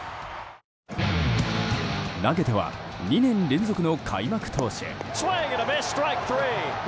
投げては２年連続の開幕投手。